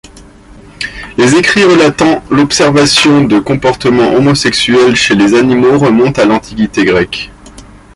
Les écrits relatant l'observation de comportements homosexuels chez les animaux remontent à l'Antiquité grecque.